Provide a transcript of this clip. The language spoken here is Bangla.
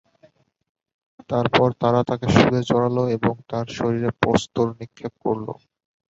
তারপর তারা তাকে শূলে চড়াল এবং তার শরীরে প্রস্তর নিক্ষেপ করল।